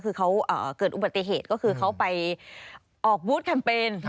คือเขาเกิดอุบัติเหตุก็คือเขาไปออกบูธแคมเปญ